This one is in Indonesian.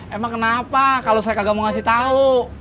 emang kenapa kalau saya gak mau kasih tau